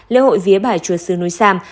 lễ hội vía bà chúa sứ núi sam